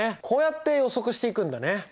こうやって予測していくんだね。